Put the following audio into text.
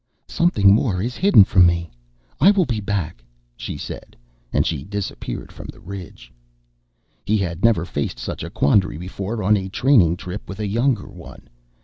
"Something more is hidden from me. I will be back," she said. And she disappeared from the ridge. He had never faced such a quandary before on a training trip with a younger one.